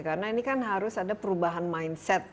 karena ini kan harus ada perubahan mindset